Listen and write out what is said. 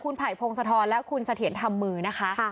คุณภัยโพงสะทอนและคุณสะเทียนทำมือนะคะ